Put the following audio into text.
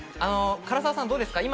唐沢さんどうですか？